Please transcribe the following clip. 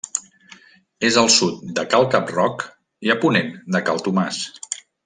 És al sud de Cal Cap-roc i a ponent de Cal Tomàs.